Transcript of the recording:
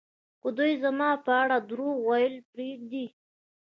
که دوی زما په اړه درواغ ویل پرېږدي